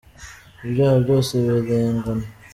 Ibyaha byose birangana.